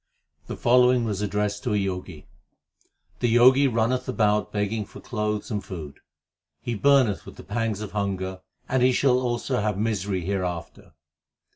The following was addressed to a Jogi : The Jogi runneth about begging for clothes and food ; He burneth with the pangs of hunger, and he shall also have misery hereafter.